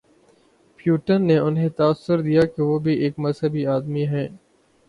Putin نے انہیں تاثر دیا کہ وہ بھی ایک مذہبی آدمی ہیں۔